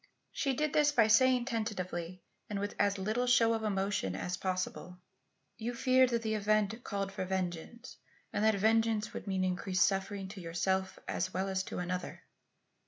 She did this by saying tentatively and with as little show of emotion as possible: "You feared that the event called for vengeance and that vengeance would mean increased suffering to yourself as well as to another?"